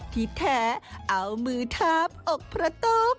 ที่แท้เอามือทาบอกพระตุ๊บ